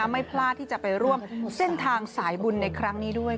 ไม่พลาดที่จะไปร่วมเส้นทางสายบุญในครั้งนี้ด้วย